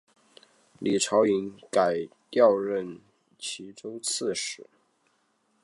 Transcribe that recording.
李朝隐改调任岐州刺史。